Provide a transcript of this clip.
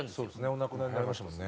お亡くなりになりましたもんね。